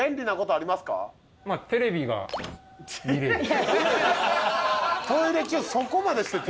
まあテレビが見れる。